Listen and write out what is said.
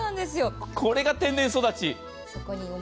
これが天然育ち。